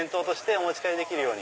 お持ち帰りできるように。